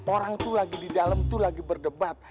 orang tuh lagi di dalam lagi berdebat